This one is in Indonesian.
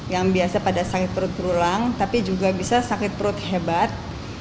yang biasa pada sakit perut berulang tapi juga bisa sakit perut hebat